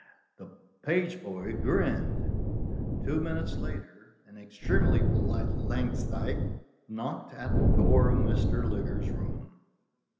The page boy grinned. Two minutes later an extremely polite Langsdyke knocked at the door of Mr. Liggers's room.